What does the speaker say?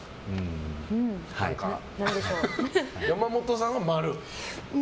山本さんは○。